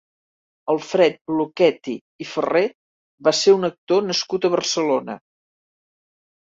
Alfred Lucchetti i Farré va ser un actor nascut a Barcelona.